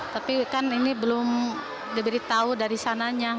tapi kan ini belum diberitahu dari sananya